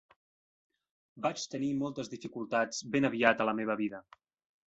Vaig tenir moltes dificultats ben aviat a la meva vida.